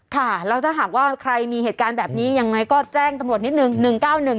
ค่ะแล้วถ้าหากว่าใครมีเหตุการณ์แบบนี้ยังไงก็แจ้งตำรวจนิดนึง๑๙๑